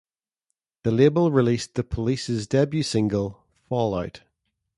The label released The Police's debut single, "Fall Out".